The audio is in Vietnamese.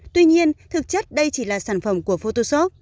tuy nhiên thực chất đây chỉ là sản phẩm của photosoft